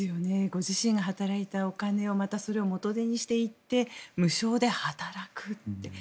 ご自身が働いたお金をまたそれを元手にしていって無償で働くという。